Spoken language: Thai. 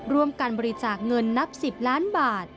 ร่วมกันบริจาคเงินนับ๑๐ล้านบาท